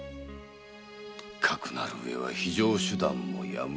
かくなる上は非常手段もやむなしかと。